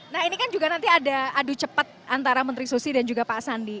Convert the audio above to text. nah ini kan juga nanti ada adu cepat antara menteri susi dan juga pak sandi